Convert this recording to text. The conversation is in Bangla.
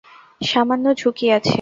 সামান্য ঝুঁকি আছে।